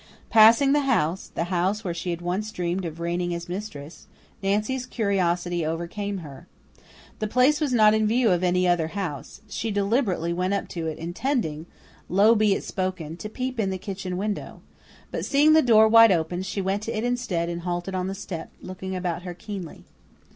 Passing the house the house where she had once dreamed of reigning as mistress Nancy's curiosity overcame her. The place was not in view of any other near house. She deliberately went up to it intending low be it spoken to peep in at the kitchen window. But, seeing the door wide open, she went to it instead and halted on the step, looking about her keenly.